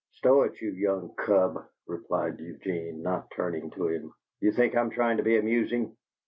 "Stow it, you young cub," replied Eugene, not turning to him. "Do you think I'm trying to be amusing?"